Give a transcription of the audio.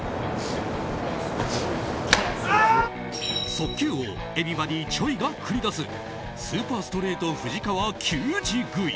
速球王Ｅｖｅｒｙｂｏｄｙ・ｃｈｏｙが繰り出すスーパーストレート藤川球児食い。